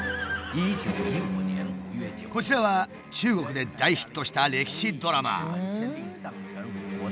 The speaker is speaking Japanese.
こちらは中国で大ヒットした歴史ドラマ。